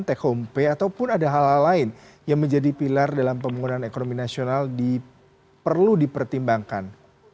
take home pay ataupun ada hal hal lain yang menjadi pilar dalam pembangunan ekonomi nasional perlu dipertimbangkan